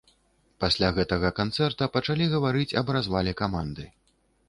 Пасля гэтага канцэрта пачалі гаварыць аб развале каманды.